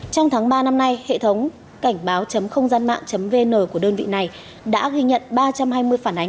trong tháng ba năm nay hệ thống cảnh báo khonggianmạng vn của đơn vị này đã ghi nhận ba trăm hai mươi phản ánh